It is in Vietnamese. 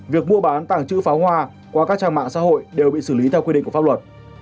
việc mua bán tàng trữ pháo hoa qua các trang mạng xã hội đều bị xử lý theo quy định của pháp luật